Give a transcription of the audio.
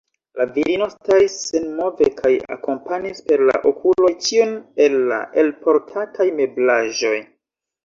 La virino staris senmove kaj akompanis per la okuloj ĉiun el la elportataj meblaĵoj.